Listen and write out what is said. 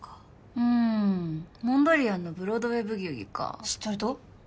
うんモンドリアンの「ブロードウェイ・ブギウギ」か知っとると？